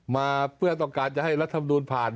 มาเพื่อต้องการจะให้รัฐมนูลผ่าน